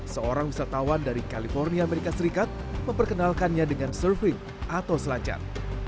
seorang wisatawan dari california amerika serikat memperkenalkannya dengan surfing atau selancar